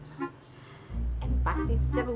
and pasti seru